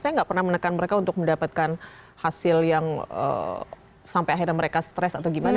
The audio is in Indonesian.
saya nggak pernah menekan mereka untuk mendapatkan hasil yang sampai akhirnya mereka stres atau gimana